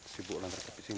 sibuk lah garap di sini